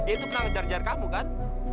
itu pernah ngejar ngejar kamu kan